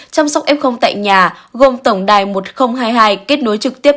chăm sóc em không tại nhà gồm tổng đài một nghìn hai mươi hai kết nối trực tiếp